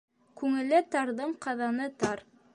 Күңеле тарҙың ҡаҙаны тар.